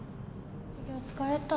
授業疲れた